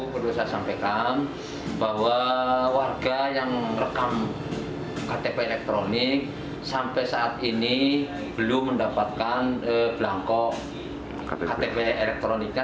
perlu saya sampaikan bahwa warga yang merekam ktp elektronik sampai saat ini belum mendapatkan belangko ktp elektroniknya